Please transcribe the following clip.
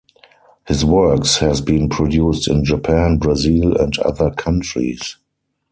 His work has been produced in Japan, Brazil and other countries.